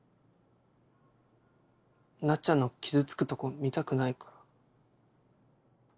なっちゃんの傷つくとこ見たくないから。